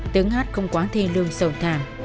tiếng hát không quá thi lương sầu thảm